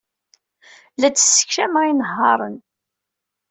La d-ssekcameɣ inehhaṛen.